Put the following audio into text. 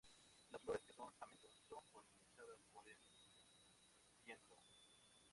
Las flores que son amentos, son polinizadas por el viento.